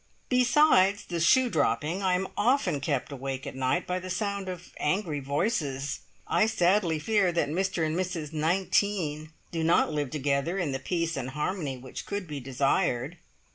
Besides the shoe dropping, I am often kept awake at night by the sound of angry voices. I sadly fear that Mr and Mrs 19 do not live together in the peace and harmony which could be desired.